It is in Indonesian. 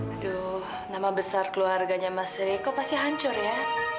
aduh nama besar keluarganya mas riko pasti hancur ya